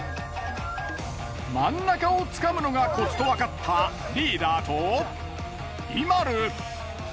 真ん中をつかむのがコツとわかったリーダーとＩＭＡＬＵ。